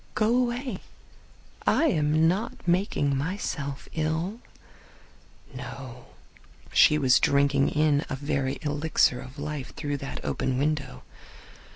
"Go away. I am not making myself ill." No; she was drinking in a very elixir of life through that open window.